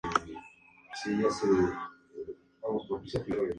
Había sido usada como losa para el umbral de la puerta norte.